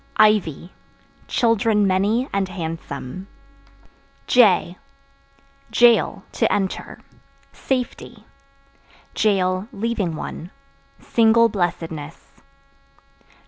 Ivy Children many and handsome. J Jail (To enter) safety; (leaving one) single blessedness.